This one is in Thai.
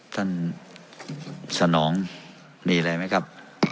สนองมีอะไรไหมครับ